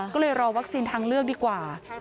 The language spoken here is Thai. ก็เลยรอวัคซีนทางเลือกดีกว่า